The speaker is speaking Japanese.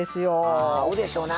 ああ合うでしょうな。